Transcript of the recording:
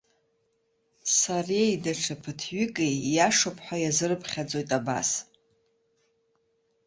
Сареи даҽа ԥыҭҩыки ииашоуп ҳәа иазырыԥхьаӡоит абас.